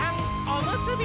おむすび！